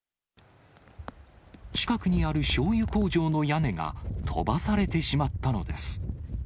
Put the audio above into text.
近くにあるしょうゆ工場の屋根が飛ばされてしまったのです。